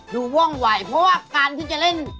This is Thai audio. ว่องไหวเพราะว่าการที่จะเล่น